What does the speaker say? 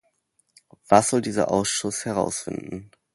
Was soll dieser Ausschuss herausfinden?